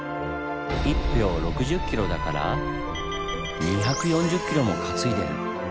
１俵６０ｋｇだから２４０ｋｇも担いでる！